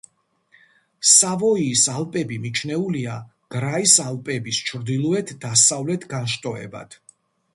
სავოიის ალპები მიჩნეულია გრაის ალპების ჩრდილოეთ-დასავლეთ განშტოებად.